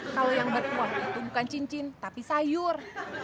kalau yang berkuah itu bukan cincin tapi sayur